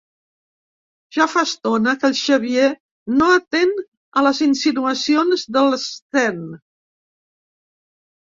Ja fa estona que el Xavier no atén a les insinuacions de l'Sten.